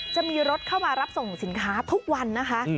จะมีรถเข้ามารับส่งสินค้าทุกวันนะคะ